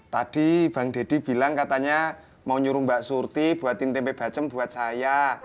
tadi bang deddy bilang katanya mau nyuruh mbak surti buatin tempe bacem buat saya